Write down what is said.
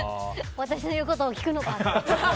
私の言うことを聞くのが。